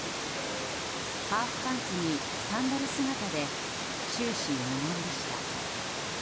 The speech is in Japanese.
ハーフパンツにサンダル姿で終始、無言でした。